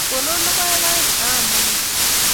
Konon logoek aeng' aam anyun